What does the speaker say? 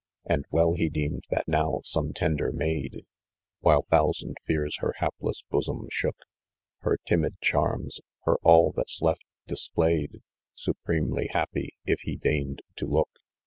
And well be deemed that now some tender maid, "While thousand (caw her hap'.cs* bosom shook, Her timid charmsâ€" her mil that's left, displayed, Supremely happy, if he deigned to look.